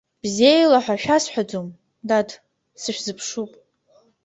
Бзеилаҳәа шәасҳәаӡом, дад, сышәзыԥшуп.